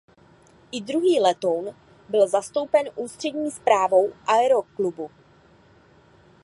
I druhý letoun byl zakoupen Ústřední správou Aero Clubu.